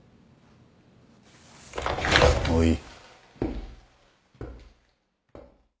もういい。